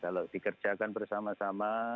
kalau dikerjakan bersama sama